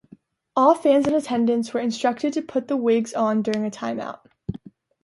All fans in attendance were instructed to put the wigs on during a timeout.